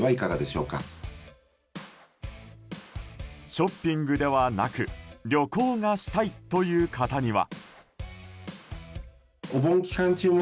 ショッピングでなく旅行がしたいという方には。